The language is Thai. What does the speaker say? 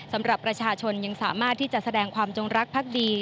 สำหรับประชาชนยังสามารถที่จะแสดงความจงรักภักดี